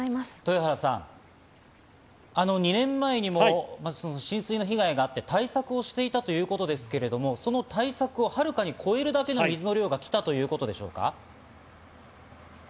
２年前にも浸水の被害があって対策をしていたということですが、その対策をはるかに超える量の水が来たということでしょうか？